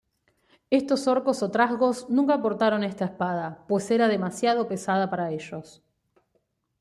Estos orcos o trasgos nunca portaron esta espada, pues era demasiado pesada para ellos.